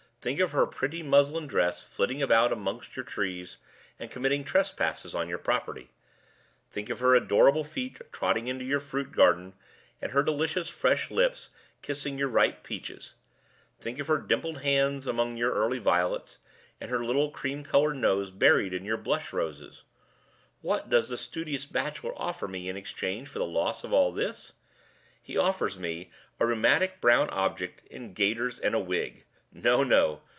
think of her pretty muslin dress flitting about among your trees and committing trespasses on your property; think of her adorable feet trotting into your fruit garden, and her delicious fresh lips kissing your ripe peaches; think of her dimpled hands among your early violets, and her little cream colored nose buried in your blush roses. What does the studious bachelor offer me in exchange for the loss of all this? He offers me a rheumatic brown object in gaiters and a wig. No! no!